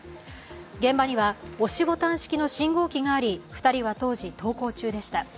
現場には押しボタン式の信号機があり、２人は当時、登校中でした。